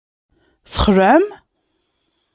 Txelɛem?